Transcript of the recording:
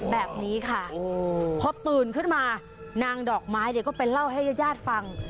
แบบนี้ค่ะพอตื่นขึ้นมานางดอกไม้เนี่ยก็ไปเล่าให้ญาติฟัง